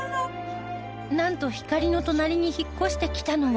なんとひかりの隣に引っ越してきたのは